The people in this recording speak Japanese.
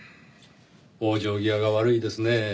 往生際が悪いですねぇ。